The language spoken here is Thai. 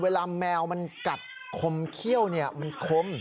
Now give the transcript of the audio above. เวลาแมวมันกัดขมเคี่ยวเนี่ยมันคม